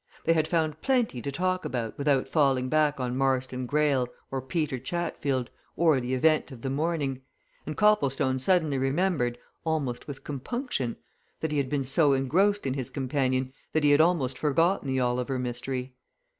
They had found plenty to talk about without falling back on Marston Greyle, or Peter Chatfield, or the event of the morning, and Copplestone suddenly remembered, almost with compunction, that he had been so engrossed in his companion that he had almost forgotten the Oliver mystery.